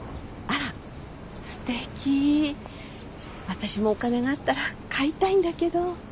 私もお金があったら買いたいんだけど。